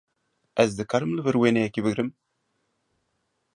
Ez dikarim li vir wêneyekî bigirim?